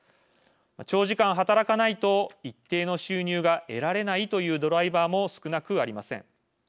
長時間働かないと一定の収入が得られないというドライバーも少なくありません。